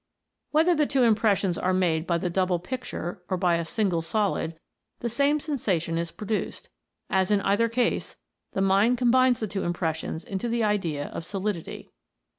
Whether the two impressions are made by the double picture or by a single solid, the same sensation is produced, as in either case the mind combines the two impres sions into the idea of solidity.